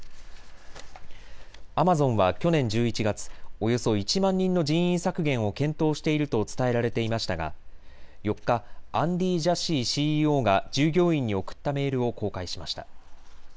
アマゾンは去年１１月、およそ１万人の人員削減を検討していると伝えられていましたが４日、アンディー・ジャシーＣＥＯが従業員に送ったメールを公開しました。